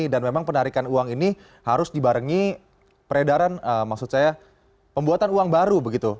dan memang penarikan uang ini harus dibarengi peredaran maksud saya pembuatan uang baru begitu